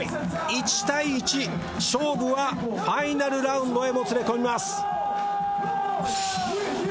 １対１勝負はファイナルラウンドへもつれ込みます。